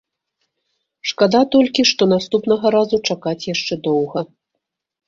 Шкада толькі, што наступнага разу чакаць яшчэ доўга!